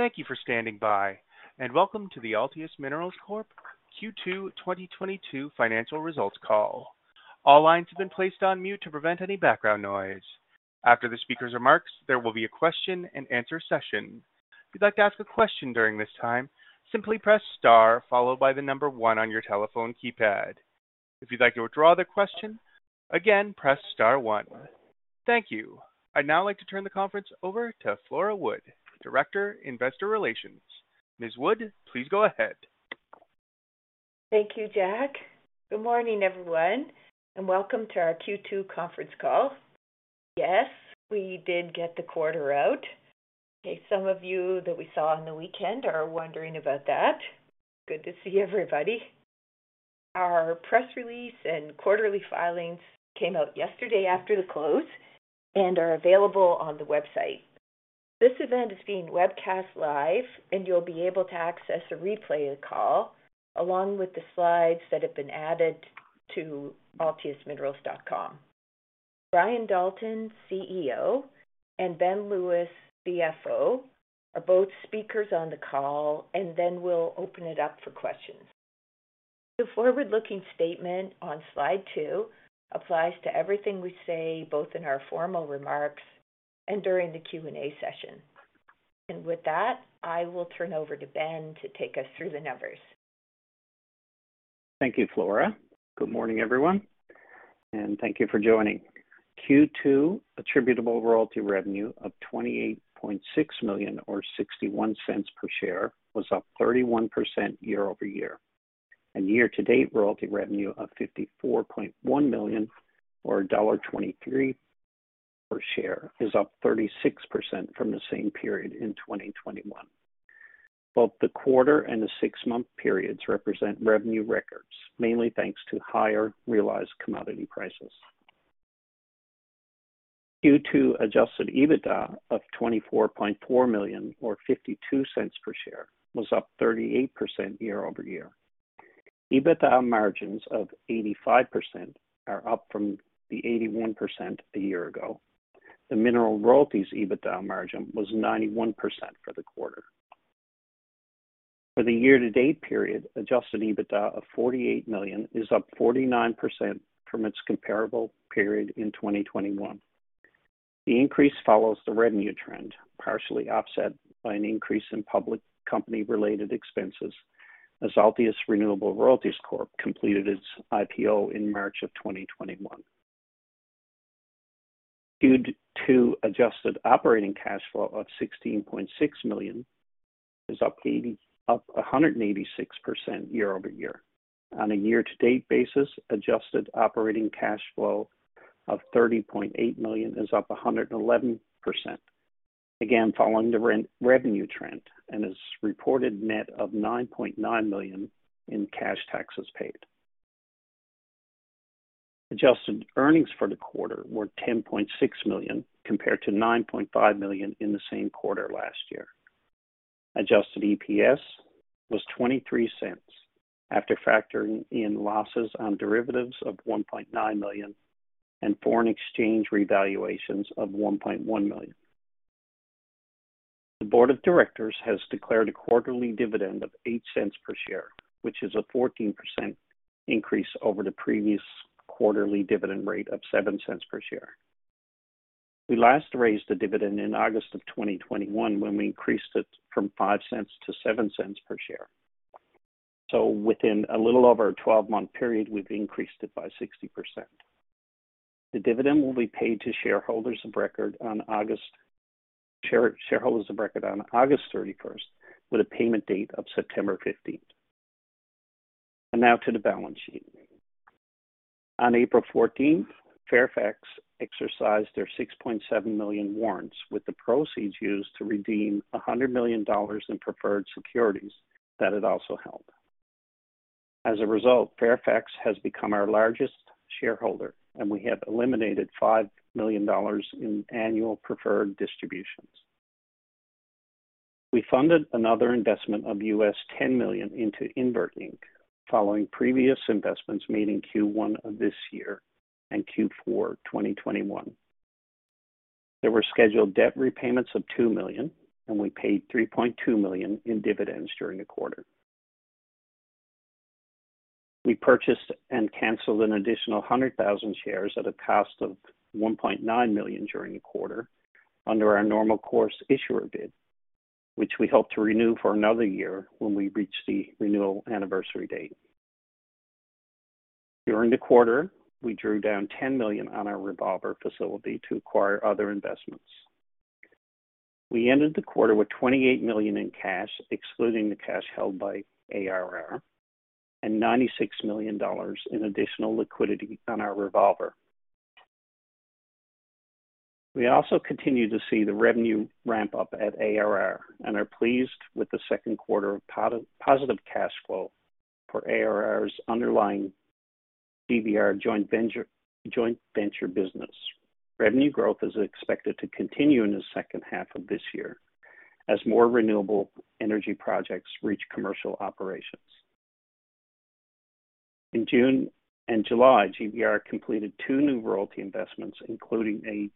Thank you for standing by, and welcome to the Altius Minerals Corporation Q2 2022 financial results call. All lines have been placed on mute to prevent any background noise. After the speaker's remarks, there will be a question-and-answer session. If you'd like to ask a question during this time, simply press star followed by the number one on your telephone keypad. If you'd like to withdraw the question, again, press star one. Thank you. I'd now like to turn the conference over to Flora Wood, Director, Investor Relations. Ms. Wood, please go ahead. Thank you, Jack. Good morning, everyone, and welcome to our Q2 conference call. Yes, we did get the quarter out. Okay. Some of you that we saw on the weekend are wondering about that. Good to see everybody. Our press release and quarterly filings came out yesterday after the close and are available on the website. This event is being webcast live, and you'll be able to access a replay of the call along with the slides that have been added to altiusminerals.com. Brian Dalton, CEO, and Ben Lewis, CFO, are both speakers on the call, and then we'll open it up for questions. The forward-looking statement on slide two applies to everything we say, both in our formal remarks and during the Q&A session. With that, I will turn over to Ben to take us through the numbers. Thank you, Flora. Good morning, everyone, and thank you for joining. Q2 attributable royalty revenue of 28.6 million or 0.61 per share was up 31% year-over-year. Year to date, royalty revenue of 54.1 million or dollar 1.23 per share is up 36% from the same period in 2021. Both the quarter and the six-month periods represent revenue records, mainly thanks to higher realized commodity prices. Q2 adjusted EBITDA of 24.4 million or 0.52 per share was up 38% year-over-year. EBITDA margins of 85% are up from the 81% a year ago. The mineral royalties EBITDA margin was 91% for the quarter. For the year to date period, adjusted EBITDA of 48 million is up 49% from its comparable period in 2021. The increase follows the revenue trend, partially offset by an increase in public company-related expenses as Altius Renewable Royalties Corp. completed its IPO in March 2021. Q2 adjusted operating cash flow of 16.6 million is up 186% year-over-year. On a year-to-date basis, adjusted operating cash flow of 30.8 million is up 111%. Again, following the revenue trend and is reported net of 9.9 million in cash taxes paid. Adjusted earnings for the quarter were 10.6 million compared to 9.5 million in the same quarter last year. Adjusted EPS was 0.23 after factoring in losses on derivatives of 1.9 million and foreign exchange revaluations of 1.1 million. The board of directors has declared a quarterly dividend of 0.08 per share, which is a 14% increase over the previous quarterly dividend rate of 0.07 per share. We last raised the dividend in August 2021 when we increased it from 0.05 to 0.07 per share. Within a little over a 12-month period, we've increased it by 60%. The dividend will be paid to shareholders of record on August 31 with a payment date of September 15. Now to the balance sheet. On April 14, Fairfax exercised their 6.7 million warrants with the proceeds used to redeem 100 million dollars in preferred securities that it also held. As a result, Fairfax has become our largest shareholder, and we have eliminated 5 million dollars in annual preferred distributions. We funded another investment of $10 million into Inventus Mining Corp., following previous investments made in Q1 of this year and Q4 2021. There were scheduled debt repayments of 2 million, and we paid 3.2 million in dividends during the quarter. We purchased and canceled an additional 100,000 shares at a cost of 1.9 million during the quarter under our normal course issuer bid, which we hope to renew for another year when we reach the renewal anniversary date. During the quarter, we drew down 10 million on our revolver facility to acquire other investments. We ended the quarter with 28 million in cash, excluding the cash held by ARR, and 96 million dollars in additional liquidity on our revolver. We also continue to see the revenue ramp up at ARR and are pleased with the second quarter of positive cash flow for ARR's underlying GBR joint venture, joint venture business. Revenue growth is expected to continue in the second half of this year as more renewable energy projects reach commercial operations. In June and July, GBR completed two new royalty investments, including a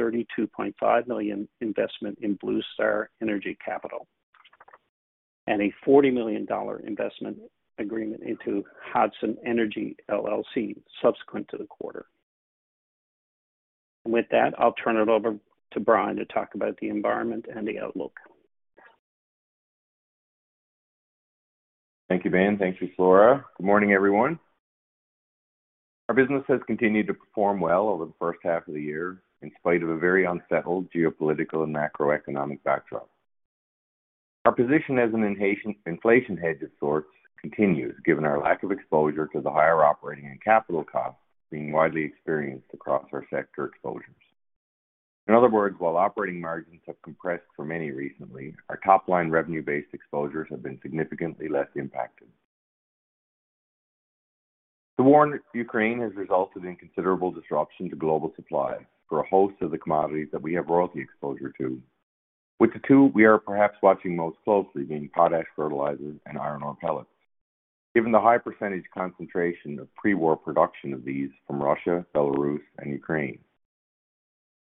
$32.5 million investment in Blue Star Energy Capital and a $40 million investment agreement into Hodson Energy, LLC subsequent to the quarter. With that, I'll turn it over to Brian to talk about the environment and the outlook. Thank you, Ben Lewis. Thank you, Flora Wood. Good morning, everyone. Our business has continued to perform well over the first half of the year in spite of a very unsettled geopolitical and macroeconomic backdrop. Our position as an inflation hedge of sorts continues, given our lack of exposure to the higher operating and capital costs being widely experienced across our sector exposures. In other words, while operating margins have compressed for many recently, our top-line revenue-based exposures have been significantly less impacted. The war in Ukraine has resulted in considerable disruption to global supply for a host of the commodities that we have royalty exposure to, with the two we are perhaps watching most closely being potash fertilizers and iron ore pellets. Given the high percentage concentration of pre-war production of these from Russia, Belarus, and Ukraine,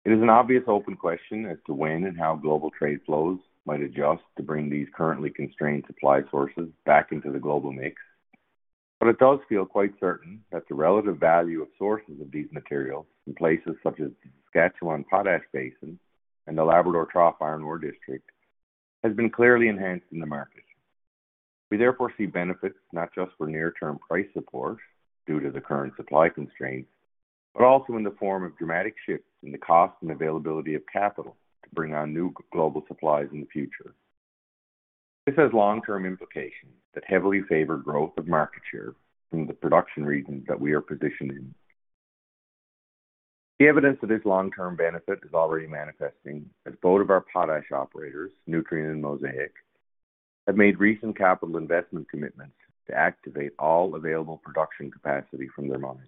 it is an obvious open question as to when and how global trade flows might adjust to bring these currently constrained supply sources back into the global mix. It does feel quite certain that the relative value of sources of these materials in places such as Saskatchewan Potash Basin and the Labrador Trough Iron Ore District has been clearly enhanced in the market. We therefore see benefits not just for near-term price support due to the current supply constraints, but also in the form of dramatic shifts in the cost and availability of capital to bring on new global supplies in the future. This has long-term implications that heavily favor growth of market share from the production regions that we are positioned in. The evidence of this long-term benefit is already manifesting as both of our potash operators, Nutrien and Mosaic, have made recent capital investment commitments to activate all available production capacity from their mines.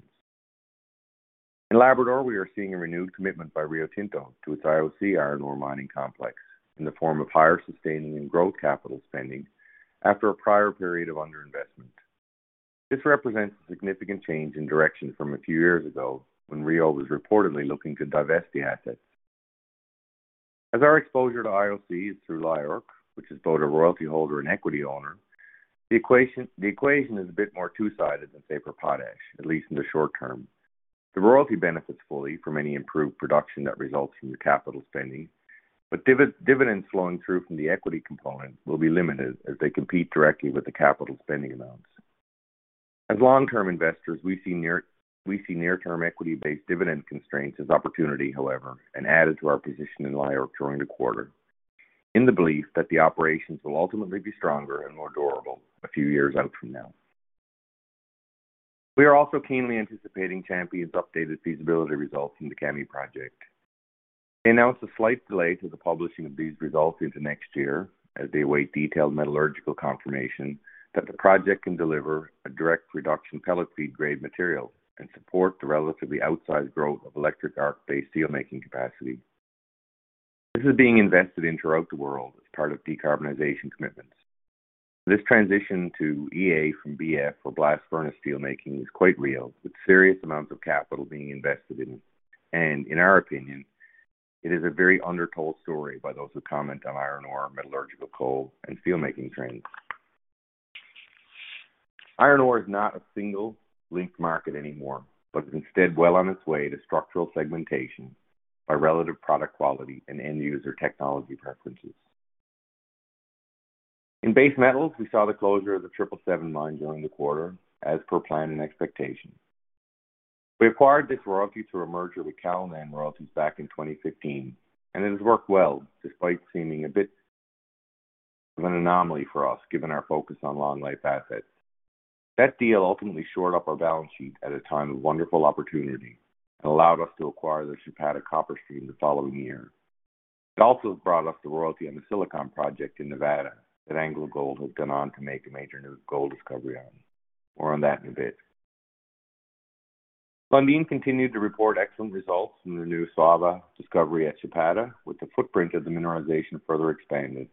In Labrador, we are seeing a renewed commitment by Rio Tinto to its IOC iron ore mining complex in the form of higher sustaining and growth capital spending after a prior period of underinvestment. This represents a significant change in direction from a few years ago when Rio was reportedly looking to divest the asset. As our exposure to IOC is through LIORC, which is both a royalty holder and equity owner, the equation is a bit more two-sided than, say, for potash, at least in the short term. The royalty benefits fully from any improved production that results from the capital spending, but dividends flowing through from the equity component will be limited as they compete directly with the capital spending amounts. As long-term investors, we see near-term equity-based dividend constraints as opportunity, however, and added to our position in LIORC during the quarter in the belief that the operations will ultimately be stronger and more durable a few years out from now. We are also keenly anticipating Champion's updated feasibility results from the Kami project. They announced a slight delay to the publishing of these results into next year as they await detailed metallurgical confirmation that the project can deliver a direct reduction pellet feed-grade material and support the relatively outsized growth of electric arc-based steelmaking capacity. This is being invested in throughout the world as part of decarbonization commitments. This transition to EAF from BF or blast furnace steelmaking is quite real, with serious amounts of capital being invested in, and in our opinion, it is a very undertold story by those who comment on iron ore, metallurgical coal, and steelmaking trends. Iron ore is not a single linked market anymore, but is instead well on its way to structural segmentation by relative product quality and end user technology preferences. In base metals, we saw the closure of the Triple Seven mine during the quarter as per plan and expectation. We acquired this royalty through a merger with Callinan Royalties back in 2015, and it has worked well despite seeming a bit of an anomaly for us, given our focus on long life assets. That deal ultimately shored up our balance sheet at a time of wonderful opportunity and allowed us to acquire the Chapada copper stream the following year. It also brought us the royalty on the Silicon project in Nevada that AngloGold Ashanti has gone on to make a major new gold discovery on. More on that in a bit. Lundin continued to report excellent results from the new Saúva discovery at Chapada, with the footprint of the mineralization further expanded.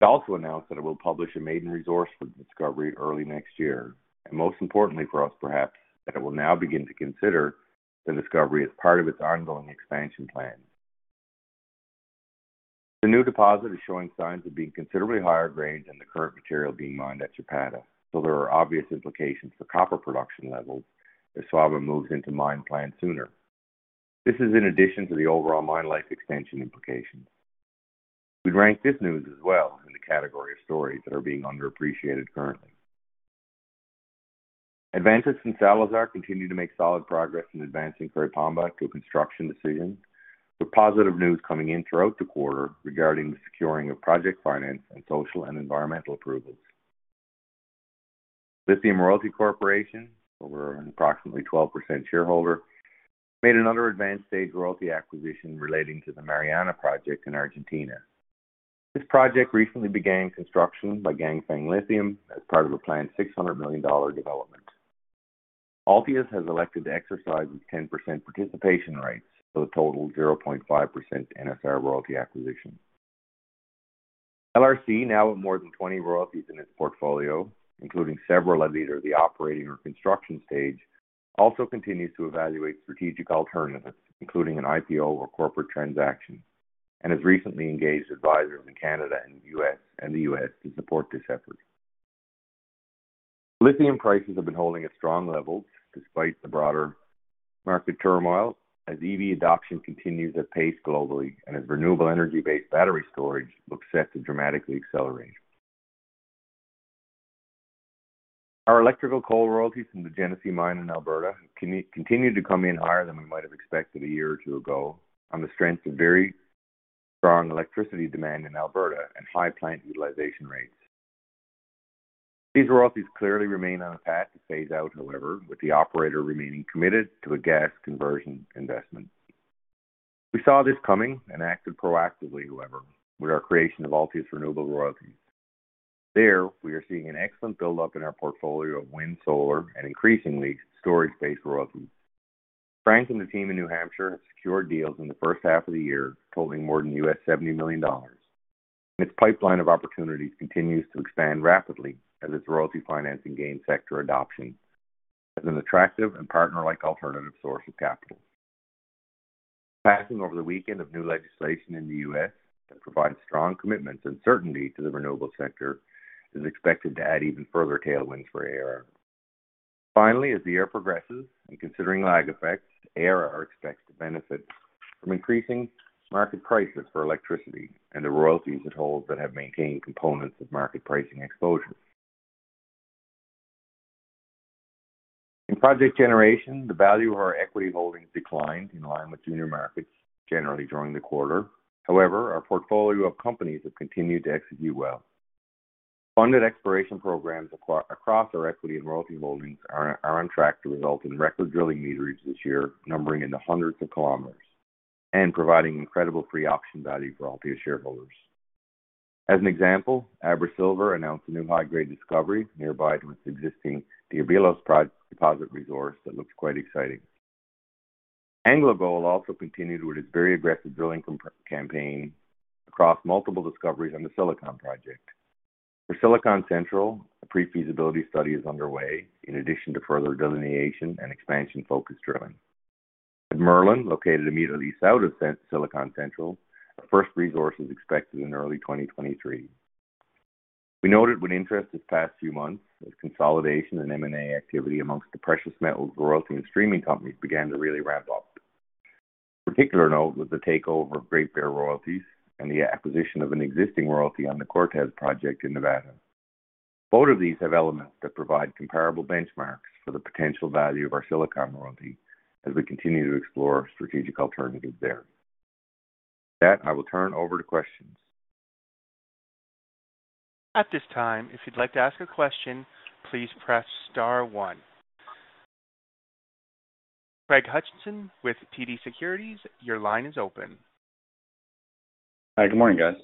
It also announced that it will publish a maiden resource for the discovery early next year, and most importantly for us perhaps, that it will now begin to consider the discovery as part of its ongoing expansion plans. The new deposit is showing signs of being considerably higher grade than the current material being mined at Chapada, so there are obvious implications for copper production levels as Saúva moves into mine plan sooner. This is in addition to the overall mine life extension implications. We'd rank this news as well in the category of stories that are being underappreciated currently. Adventus and Salazar continue to make solid progress in advancing Curipamba to a construction decision, with positive news coming in throughout the quarter regarding the securing of project finance and social and environmental approvals. Lithium Royalty Corp., where we're an approximately 12% shareholder, made another advanced stage royalty acquisition relating to the Mariana project in Argentina. This project recently began construction by Ganfeng Lithium as part of a planned $600 million development. Altius has elected to exercise its 10% participation rights for the total 0.5% NSR royalty acquisition. LRC, now with more than 20 royalties in its portfolio, including several at either the operating or construction stage, also continues to evaluate strategic alternatives, including an IPO or corporate transaction, and has recently engaged advisors in Canada and the US to support this effort. Lithium prices have been holding at strong levels despite the broader market turmoil as EV adoption continues at pace globally and as renewable energy-based battery storage looks set to dramatically accelerate. Our electrical coal royalties from the Genesee Mine in Alberta continue to come in higher than we might have expected a year or two ago on the strength of very strong electricity demand in Alberta and high plant utilization rates. These royalties clearly remain on a path to phase out, however, with the operator remaining committed to a gas conversion investment. We saw this coming and acted proactively, however, with our creation of Altius Renewable Royalties. There, we are seeing an excellent build-up in our portfolio of wind, solar, and increasingly storage-based royalties. Frank and the team in New Hampshire have secured deals in the first half of the year totaling more than $70 million, and its pipeline of opportunities continues to expand rapidly as its royalty financing gains sector adoption as an attractive and partner-like alternative source of capital. The passing over the weekend of new legislation in the US that provides strong commitments and certainty to the renewable sector is expected to add even further tailwinds for AR. Finally, as the year progresses, and considering lag effects, ARR expects to benefit from increasing market prices for electricity and the royalties it holds that have maintained components of market pricing exposure. In project generation, the value of our equity holdings declined in line with junior markets generally during the quarter. However, our portfolio of companies have continued to execute well. Funded exploration programs across our equity and royalty holdings are on track to result in record drilling meterage this year, numbering in the hundreds of kilometers and providing incredible free option value for Altius shareholders. As an example, AbraSilver announced a new high-grade discovery nearby to its existing Diablillos deposit resource that looks quite exciting. AngloGold also continued with its very aggressive drilling campaign across multiple discoveries on the Silicon project. For Silicon Central, a pre-feasibility study is underway in addition to further delineation and expansion-focused drilling. At Merlin, located immediately south of Silicon Central, a first resource is expected in early 2023. We noted with interest these past few months as consolidation and M&A activity among the precious metals royalty and streaming companies began to really ramp up. Of particular note was the takeover of Great Bear Royalties and the acquisition of an existing royalty on the Cortez project in Nevada. Both of these have elements that provide comparable benchmarks for the potential value of our Silicon royalty as we continue to explore strategic alternatives there. With that, I will turn over to questions. At this time, if you'd like to ask a question, please press star one. Craig Hutchison with TD Securities, your line is open. Hi. Good morning, guys.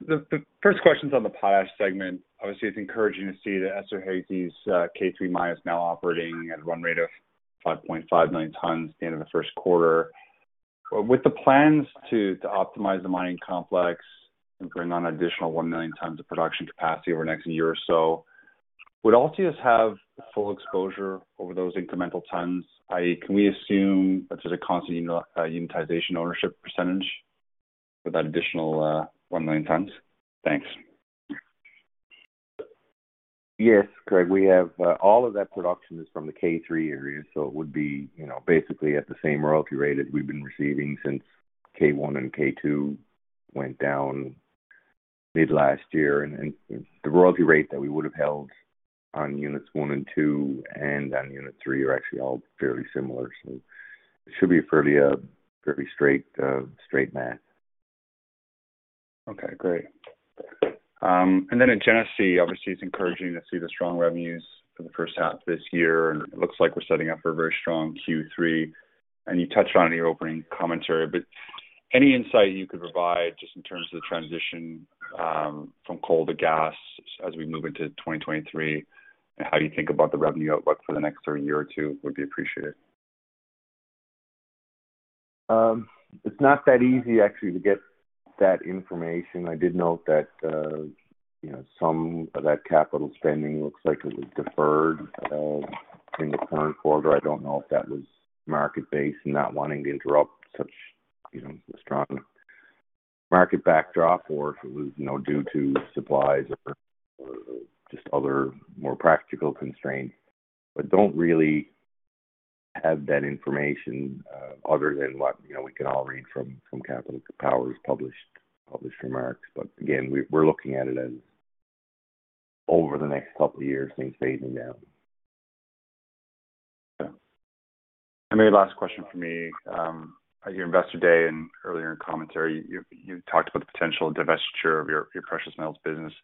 The first question's on the potash segment. Obviously, it's encouraging to see that Esterhazy's K3 mine is now operating at a run rate of 5.5 million tons at the end of the first quarter. With the plans to optimize the mining complex and bring on an additional 1 million tons of production capacity over the next year or so, would Altius have full exposure over those incremental tons? i.e., can we assume that there's a constant unitization ownership percentage for that additional 1 million tons? Thanks. Yes, Craig. We have all of that production is from the K3 area, so it would be, you know, basically at the same royalty rate as we've been receiving since K1 and K2 went down mid last year. The royalty rate that we would have held on units one and two and on unit three are actually all fairly similar. It should be fairly straight math. Okay, great. At Genesee, obviously, it's encouraging to see the strong revenues for the first half of this year, and it looks like we're setting up for a very strong Q3. You touched on it in your opening commentary, but any insight you could provide just in terms of the transition from coal to gas as we move into 2023, and how you think about the revenue outlook for the next year or two would be appreciated. It's not that easy actually to get that information. I did note that, you know, some of that capital spending looks like it was deferred in the current quarter. I don't know if that was market-based and not wanting to interrupt such, you know, a strong market backdrop or if it was, you know, due to supplies or just other more practical constraints. Don't really have that information, other than what, you know, we can all read from Capital Power's published remarks. Again, we're looking at it as over the next couple of years, things fading down. Yeah. Maybe last question from me. At your Investor Day and earlier in commentary, you talked about the potential divestiture of your precious metals business.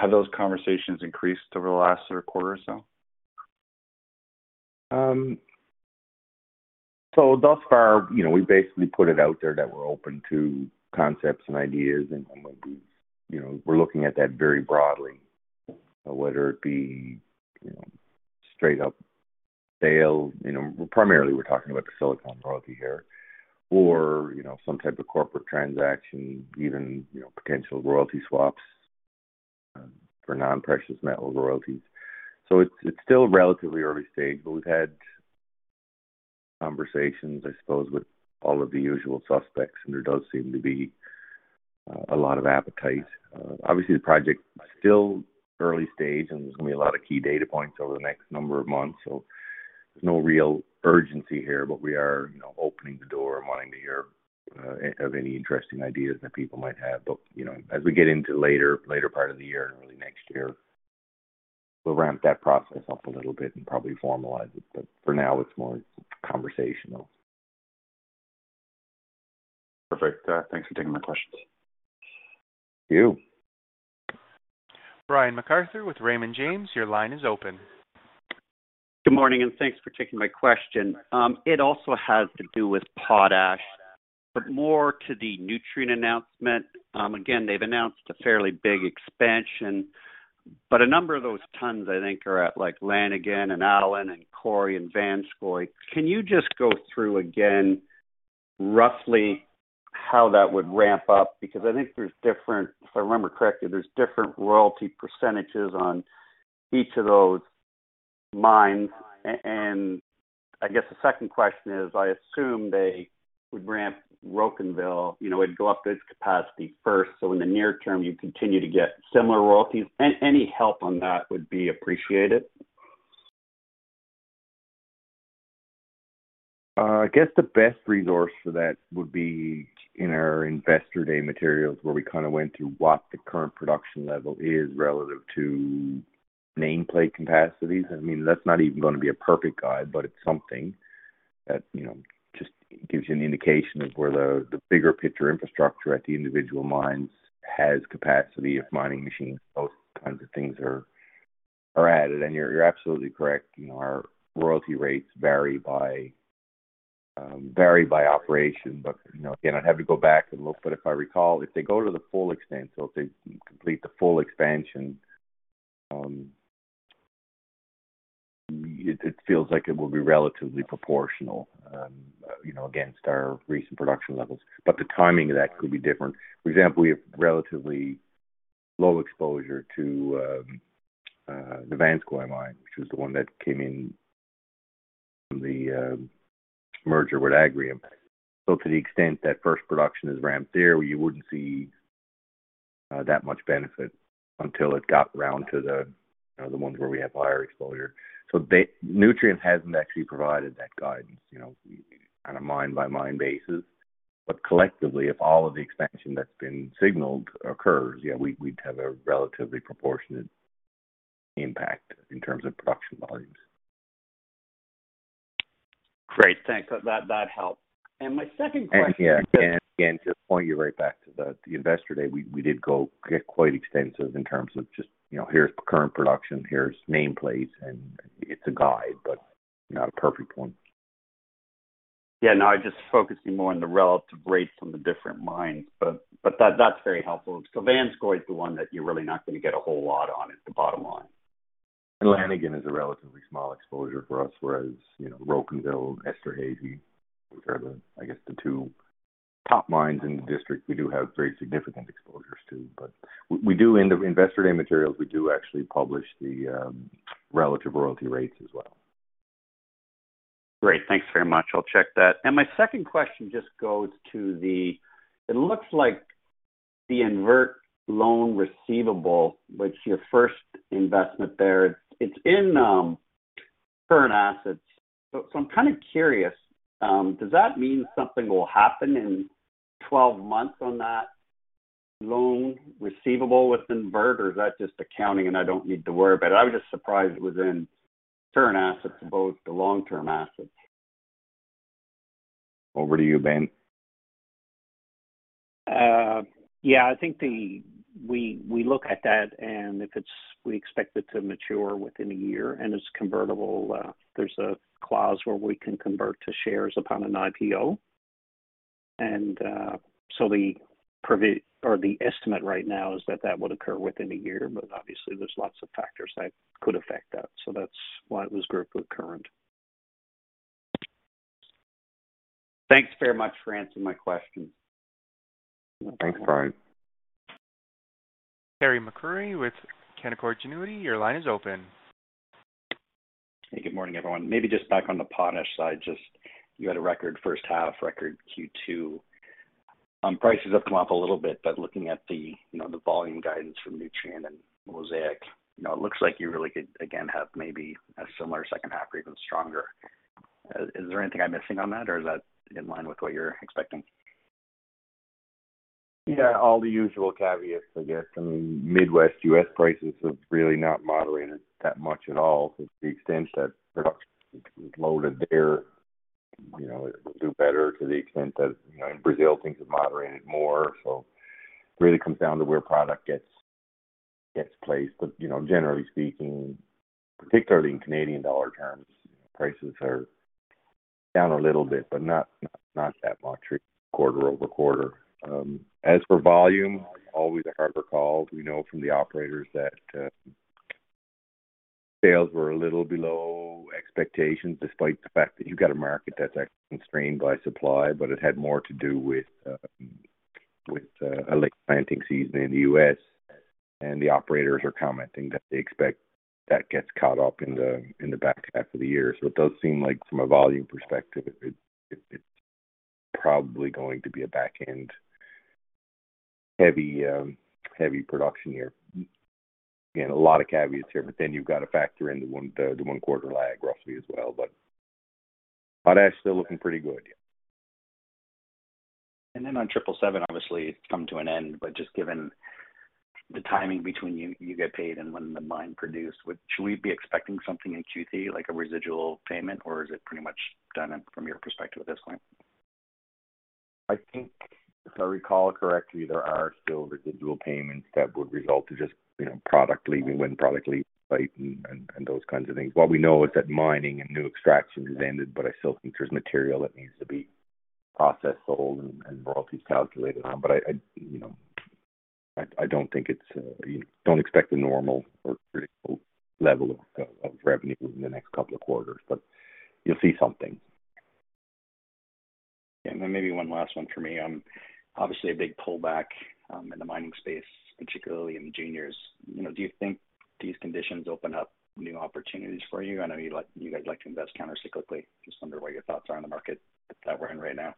Have those conversations increased over the last quarter or so? Thus far, you know, we've basically put it out there that we're open to concepts and ideas and we'll be. You know, we're looking at that very broadly, whether it be, you know, straight up sale, you know, primarily we're talking about the silicon royalty here or, you know, some type of corporate transaction, even, you know, potential royalty swaps, for non-precious metal royalties. It's still relatively early stage, but we've had conversations, I suppose, with all of the usual suspects, and there does seem to be a lot of appetite. Obviously the project still early stage, and there's gonna be a lot of key data points over the next number of months, there's no real urgency here. We are, you know, opening the door and wanting to hear of any interesting ideas that people might have. You know, as we get into later part of the year and early next year, we'll ramp that process up a little bit and probably formalize it. For now, it's more conversational. Perfect. Thanks for taking my questions. Thank you. Brian MacArthur with Raymond James, your line is open. Good morning, and thanks for taking my question. It also has to do with potash, but more to the Nutrien announcement. Again, they've announced a fairly big expansion, but a number of those tons I think are at like Lanigan and Allan and Cory and Vanscoy. Can you just go through again, roughly how that would ramp up? Because I think there's different. If I remember correctly, there's different royalty percentages on each of those mines. And I guess the second question is, I assume they would ramp Rocanville, you know, it go up to its capacity first. So in the near term, you continue to get similar royalties. Any help on that would be appreciated. I guess the best resource for that would be in our investor day materials, where we kinda went through what the current production level is relative to nameplate capacities. I mean, that's not even gonna be a perfect guide, but it's something that, you know, just gives you an indication of where the bigger picture infrastructure at the individual mines has capacity of mining machines. Those kinds of things are added. You're absolutely correct. You know, our royalty rates vary by operation. You know, again, I'd have to go back and look. If I recall, if they go to the full extent or if they complete the full expansion, it feels like it will be relatively proportional, you know, against our recent production levels. The timing of that could be different. For example, we have relatively low exposure to the Vanscoy mine, which was the one that came in from the merger with Agrium. To the extent that first production is ramped there, you wouldn't see that much benefit until it got around to the, you know, the ones where we have higher exposure. Nutrien hasn't actually provided that guidance, you know, on a mine-by-mine basis. Collectively, if all of the expansion that's been signaled occurs, yeah, we'd have a relatively proportionate impact in terms of production volumes. Great. Thanks. That helped. My second question- Yeah, to point you right back to the investor day, we did go quite extensive in terms of just, you know, here's current production, here's nameplates, and it's a guide, but not a perfect one. Yeah. No, I'm just focusing more on the relative rates from the different mines, but that's very helpful. Vanscoy is the one that you're really not going to get a whole lot on is the bottom line. Lanigan is a relatively small exposure for us, whereas, you know, Rocanville, Esterhazy, which are the, I guess, the two top mines in the district we do have very significant exposures to. We do in the investor day materials, we do actually publish the relative royalty rates as well. Great. Thanks very much. I'll check that. My second question just goes to the Invert loan receivable. It looks like the Invert loan receivable, which your first investment there, it's in current assets. So I'm kind of curious, does that mean something will happen in twelve months on that loan receivable with Invert, or is that just accounting and I don't need to worry about it? I was just surprised it was in current assets above the long-term assets. Over to you, Ben. I think we look at that, and if we expect it to mature within a year and it's convertible, there's a clause where we can convert to shares upon an IPO. The estimate right now is that that would occur within a year, but obviously there's lots of factors that could affect that. That's why it was grouped with current. Thanks very much for answering my question. Thanks, Brian. Carey MacRury with Canaccord Genuity, your line is open. Hey, good morning, everyone. Maybe just back on the potash side, just you had a record first half, record Q2. Prices have come up a little bit, but looking at the, you know, the volume guidance from Nutrien and Mosaic, you know, it looks like you really could again have maybe a similar second half or even stronger. Is there anything I'm missing on that, or is that in line with what you're expecting? Yeah, all the usual caveats, I guess. I mean, Midwest US prices have really not moderated that much at all. To the extent that production is loaded there, you know, it will do better to the extent that, you know, in Brazil, things have moderated more. Really comes down to where product gets placed. But, you know, generally speaking, particularly in Canadian dollar terms, prices are down a little bit, but not that much quarter-over-quarter. As for volume, always a harder call. We know from the operators that sales were a little below expectations, despite the fact that you've got a market that's constrained by supply, but it had more to do with a late planting season in the U.S., and the operators are commenting that they expect that gets caught up in the back half of the year. It does seem like from a volume perspective, it's probably going to be a back end heavy production year. Again, a lot of caveats here, but then you've got to factor in the one quarter lag roughly as well. Potash still looking pretty good. On Triple Seven, obviously, it's come to an end, but just given the timing between you get paid and when the mine produced, should we be expecting something in Q3 like a residual payment, or is it pretty much done from your perspective at this point? I think if I recall correctly, there are still residual payments that would result to just, you know, product leaving when product leaves site and those kinds of things. What we know is that mining and new extraction has ended, but I still think there's material that needs to be processed, sold and royalties calculated on. You know, I don't think it's. You don't expect the normal or critical level of revenue in the next couple of quarters, but you'll see something. Maybe one last one for me. Obviously a big pullback in the mining space, particularly in juniors. You know, do you think these conditions open up new opportunities for you? I know you guys like to invest counter-cyclically. Just wonder what your thoughts are on the market that we're in right now.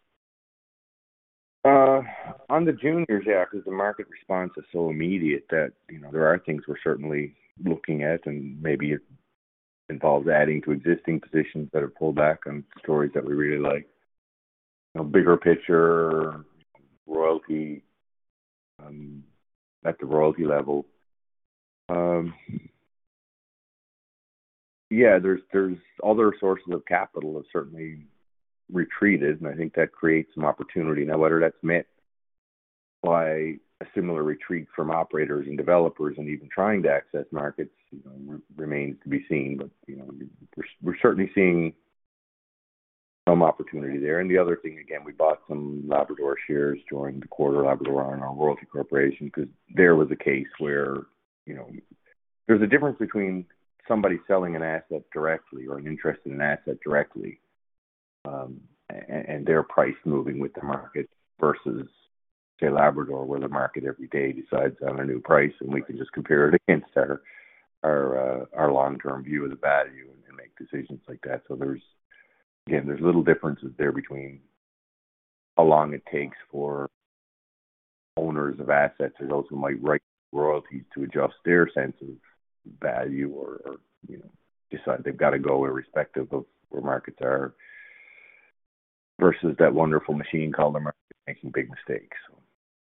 On the juniors, because the market response is so immediate that, you know, there are things we're certainly looking at, and maybe it involves adding to existing positions that are pulled back on stories that we really like. You know, bigger picture, royalty at the royalty level. There's other sources of capital have certainly retreated, and I think that creates some opportunity. Now, whether that's met by a similar retreat from operators and developers and even trying to access markets, you know, remains to be seen. You know, we're certainly seeing some opportunity there. The other thing, again, we bought some Labrador shares during the quarter, Labrador Iron Ore Royalty Corporation, because there was a case where, you know, there's a difference between somebody selling an asset directly or an interest in an asset directly, and their price moving with the market versus, say, Labrador, where the market every day decides on a new price, and we can just compare it against our long-term view of the value and make decisions like that. So there's again little differences there between h long it takes for owners of assets or those who might write royalties to adjust their sense of value or, you know, decide they've got to go irrespective of where markets are versus that wonderful machine called the market making big mistakes.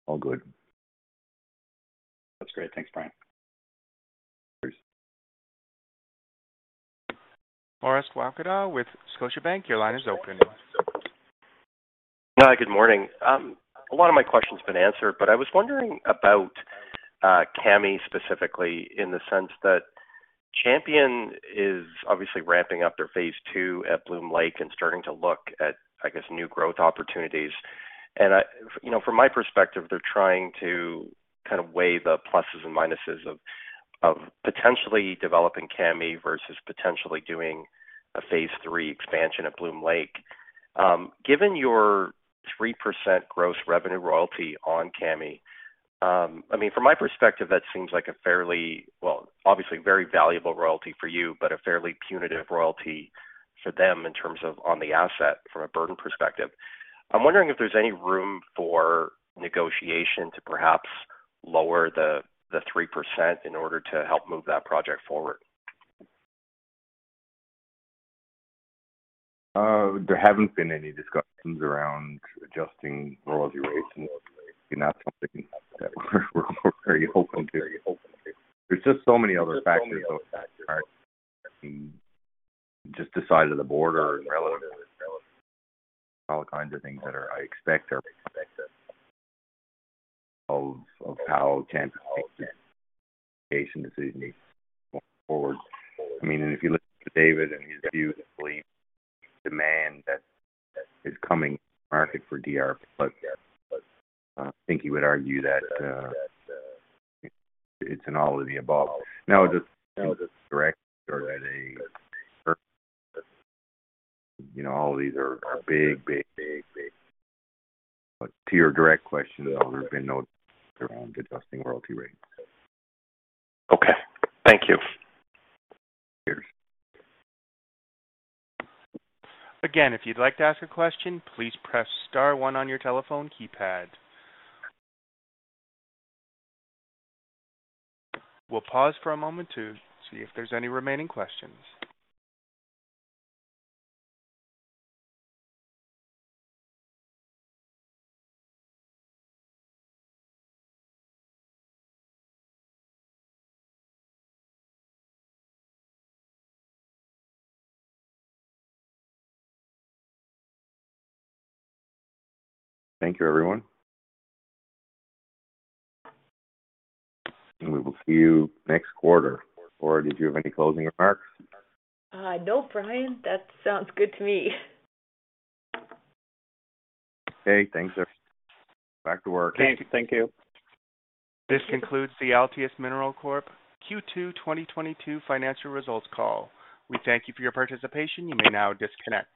All good. That's great. Thanks, Brian. Cheers. Orest Wowkodaw with Scotiabank. Your line is open. Hi. Good morning. A lot of my question's been answered, but I was wondering about Kami specifically in the sense that Champion Iron is obviously ramping up their phase II at Bloom Lake and starting to look at, I guess, new growth opportunities. I, you know, from my perspective, they're trying to kind of weigh the pluses and minuses of potentially developing Kami versus potentially doing a phase III expansion at Bloom Lake. Given your 3% gross revenue royalty on Kami, I mean, from my perspective, that seems like a fairly, well, obviously very valuable royalty for you, but a fairly punitive royalty for them in terms of on the asset from a burden perspective. I'm wondering if there's any room for negotiation to perhaps lower the 3% in order to help move that project forward. There haven't been any discussions around adjusting royalty rates, and that's something that we're very open to. There's just so many other factors. Just the size of the order and relative. All kinds of things that are of how Champion makes its decision going forward. I mean, if you listen to David and his view, the demand that is coming to market for DRP, but I think he would argue that it's an all of the above. You know, all of these are big, big, big. But to your direct question, there have been none around adjusting royalty rates. Okay. Thank you. Cheers. Again, if you'd like to ask a question, please press star one on your telephone keypad. We'll pause for a moment to see if there's any remaining questions. Thank you, everyone. We will see you next quarter. Flora, did you have any closing remarks? No, Brian. That sounds good to me. Okay. Thanks, everyone. Back to work. Okay. Thank you. Thank you. This concludes the Altius Minerals Corporation Q2 2022 financial results call. We thank you for your participation. You may now disconnect.